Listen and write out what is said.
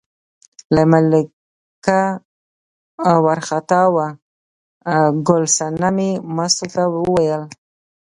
له ملکه وار خطا و، ګل صنمې مستو ته وویل.